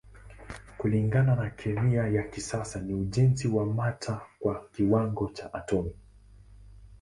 Kulingana na kemia ya kisasa ni ujenzi wa mata kwa kiwango cha atomi.